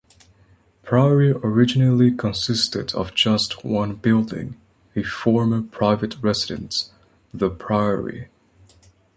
Priory originally consisted of just one building, a former private residence "The Priory".